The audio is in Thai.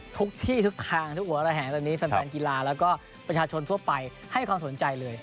ทุกที่ทุกทางทุกหัวระแหงแบบนี้แฟนกีฬาแล้วก็ประชาชนทั่วไปให้ความสนใจเลย